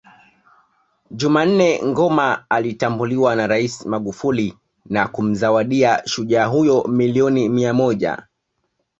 Jumannne Ngoma alitambuliwa na Rais Magufuli na kumzawadia shujaa huyo milioni mia Moja